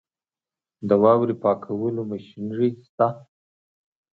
د واورې پاکولو ماشینري شته؟